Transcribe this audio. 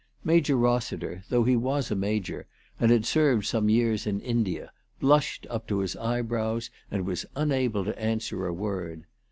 Major Rossiter, though he was a major and had served some years in India, blushed up to his eyebrows and was unable to answer a word.